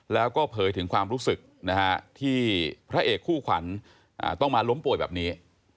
แล้วก็เผยถึงความรู้สึกที่พระเอกคู่ขวัญต้องมาล้มป่วยแบบนี้